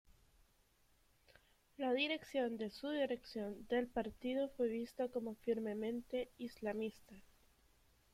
La dirección de su dirección del partido fue vista como firmemente islamista.